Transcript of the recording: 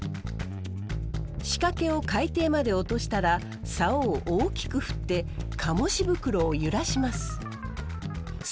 仕掛けを海底まで落としたらサオを大きく振ってカモシ袋を揺らします。